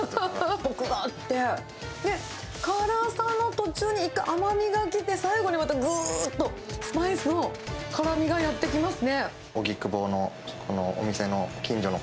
こくがあって、辛さの途中に、一回甘みがきて、最後にまたぐーっとスパイスの辛みがやってきますね。